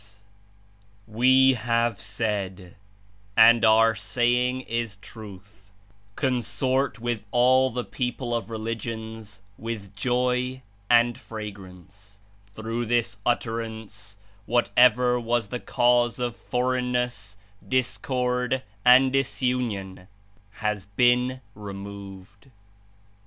^ "We have said — and Our saying Is truth — 'Consort with all the (people of) religions with joy and fra grance.' Through this Utterance whatever was the 107 cause of forelgnness, discord and disunion, has been removed." (Tab.